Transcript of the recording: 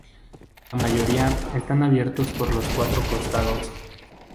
La mayoría están abiertos por los cuatro costados.